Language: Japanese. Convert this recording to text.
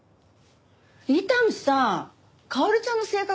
伊丹さん薫ちゃんの性格